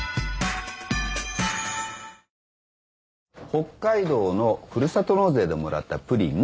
北海道のふるさと納税でもらったプリン？